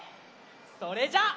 それじゃあ。